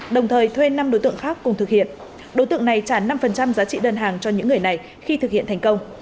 đồng thời thuê năm đối tượng khác cùng thực hiện đối tượng này trả năm giá trị đơn hàng cho những người này khi thực hiện thành công